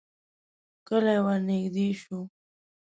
کلی ورنږدې شو.